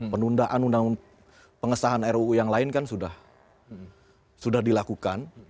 penundaan pengesahan ruu yang lain kan sudah dilakukan